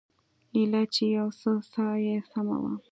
ايله چې يو څه ساه يې سمه وه.